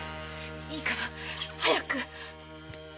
いいから早く！